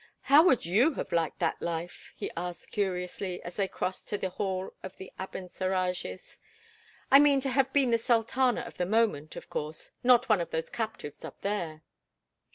How would you have liked that life?" he asked, curiously, as they crossed to the Hall of the Abencerrages. "I mean to have been the sultana of the moment, of course, not one of those captives up there."